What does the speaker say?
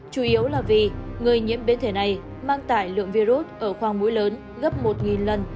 chủ yếu là vì người nhiễm biến thể này mang tải lượng virus ở khoang mũi lớn gấp một lần